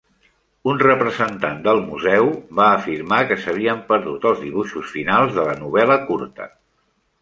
Un representant del museu va afirmar que s'havien perdut els dibuixos finals de la novel·la curta.